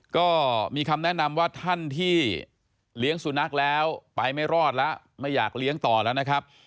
ก็มีคำแนะนำว่าท่านที่เลี้ยงสุนัขแล้วไปไม่รอดแล้วไม่อยากเลี้ยงต่อแล้วนะครับ